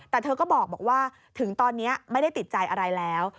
แต่เธอก็บอกว่าถึงตอนนี้ไม่ได้ติดใจอะไรแล้ว